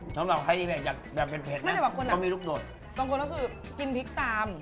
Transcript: สำหรับใครเนี่ยอยากแบบเผ็ดก็มีลูกโดดบางคนก็คือกินพริกตาม